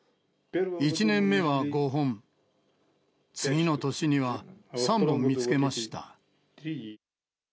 １年目は５本、次の年には３本見つけました。